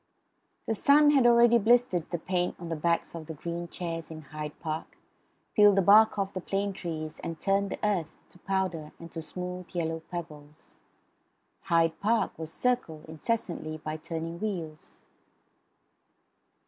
The sun had already blistered the paint on the backs of the green chairs in Hyde Park; peeled the bark off the plane trees; and turned the earth to powder and to smooth yellow pebbles. Hyde Park was circled, incessantly, by turning wheels.